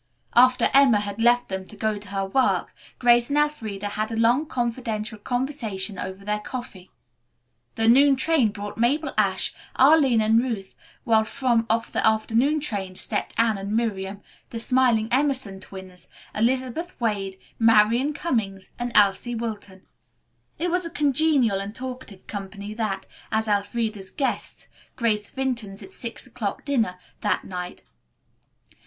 After Emma had left them to go to her work, Grace and Elfreda had a long confidential conversation over their coffee. The noon train brought Mabel Ashe, Arline and Ruth, while from off the afternoon trains stepped Anne and Miriam, the smiling Emerson twins, Elizabeth Wade, Marian Cummings and Elsie Wilton. It was a congenial and talkative company that, as Elfreda's guests, graced Vinton's at six o'clock dinner that night.